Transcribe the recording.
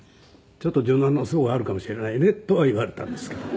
「ちょっと女難の相はあるかもしれないね」とは言われたんですけど。